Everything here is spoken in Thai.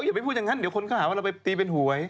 อย่าไปพูดอย่างนั้นเดี๋ยวคนก็หาว่าเราไปตีเป็นหวย